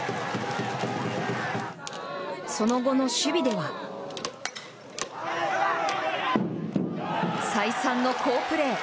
その後の守備では再三の好プレー。